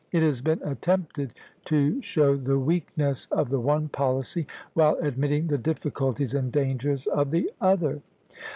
It has been attempted to show the weakness of the one policy, while admitting the difficulties and dangers of the other.